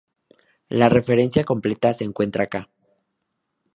La referencia completa se encuentra acá.